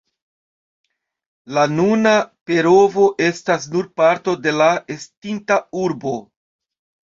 La nuna Perovo estas nur parto de la estinta urbo.